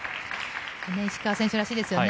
石川選手らしいですよね。